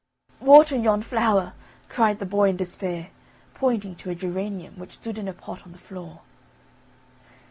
"Water yon flower," cried the boy in despair, pointing to a geranium which stood in a pot on the floor.